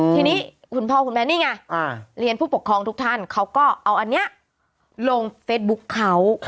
ทีนี้คุณพ่อคุณแม่นี่ไงเรียนผู้ปกครองทุกท่านเขาก็เอาอันนี้ลงเฟซบุ๊คเขา